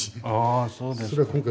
ああそうですか。